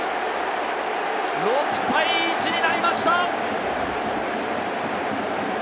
６対１になりました！